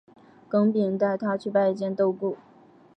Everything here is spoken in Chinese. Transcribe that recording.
耿秉带他去拜见窦固。